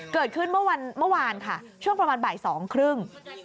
เกิดขึ้นเมื่อวานค่ะช่วงประมาณบ่ายสองครึ่ง